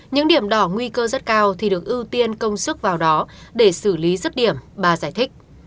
những điểm đỏ nguy cơ rất cao thì được ưu tiên công sức vào đó để xử lý rứt điểm bà giải thích